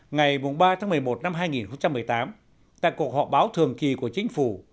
ngày ba một mươi một hai nghìn một mươi tám tại cuộc họp báo thường kỳ của chính phủ